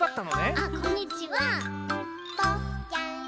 あっこんにちは。